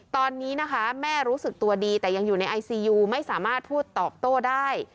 ตอนนี้นะคะแม่รู้สึกตัวดีแต่ยังอยู่ในไอซียูไม่สามารถพูดตอบโต้ได้